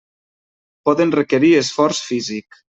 Poden requerir esforç físic.